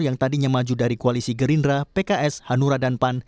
yang tadinya maju dari koalisi gerindra pks hanura dan pan